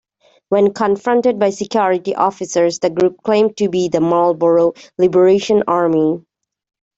When confronted by security officers, the group claimed to be the Marlborough Liberation Army.